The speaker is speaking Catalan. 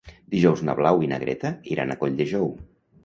Dijous na Blau i na Greta iran a Colldejou.